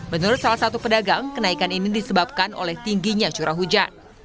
menurut salah satu pedagang kenaikan ini disebabkan oleh tingginya curah hujan